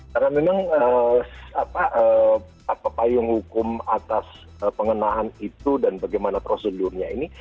karena memang apa payung hukum atas pengenaan itu dan bagaimana prosedurnya ini